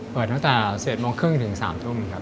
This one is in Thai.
เปิดตั้งแต่๗โมงครึ่งถึง๓ทุ่มครับ